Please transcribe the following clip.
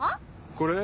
これ？